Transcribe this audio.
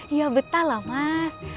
iya betahlah mas